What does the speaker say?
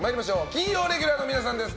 金曜レギュラーの皆さんです。